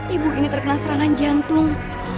ibu ini terkena serangan jantung